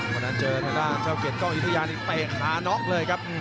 วันนั้นเจอธนาดเกร็ดกล้องยุธยานิไปหาน็อคเลยครับ